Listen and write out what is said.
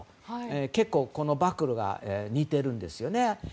結構このバックルが似ているんですよね。